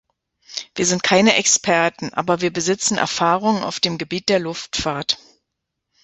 Wir sind keine Experten, aber wir besitzen Erfahrungen auf dem Gebiet der Luftfahrt.